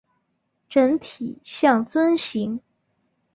整体像樽形。